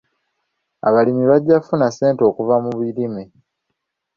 Abalimi bajja kufuna ssente okuva mu birime.